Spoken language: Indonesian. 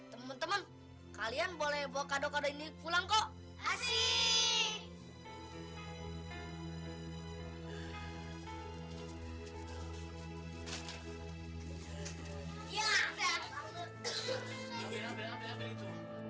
teman teman kalian boleh bawa kado kado ini pulang kok asik